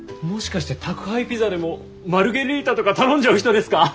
もしかして宅配ピザでもマルゲリータとか頼んじゃう人ですか？